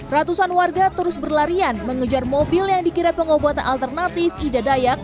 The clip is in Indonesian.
ratusan warga terus berlarian mengejar mobil yang dikira pengobatan alternatif ida dayak